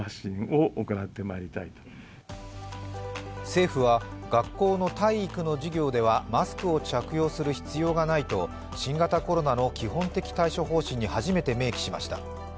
政府は、学校の体育の授業ではマスクを着用する必要がないと新型コロナの基本的対処方針に初めて明記しました。